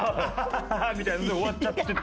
「ハハハハ！」みたいなので終わっちゃって。